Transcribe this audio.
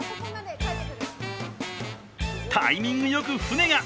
タイミングよく船が！